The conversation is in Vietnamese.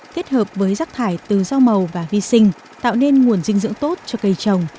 kết hợp với rác thải từ rau màu và vi sinh tạo nên nguồn dinh dưỡng tốt cho cây trồng